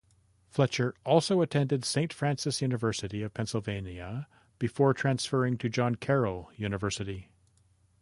Fletcher also attended Saint Francis University of Pennsylvania before transferring to John Carroll University.